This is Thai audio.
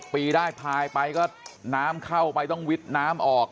ปีได้พายไปก็น้ำเข้าไปต้องวิดน้ำออก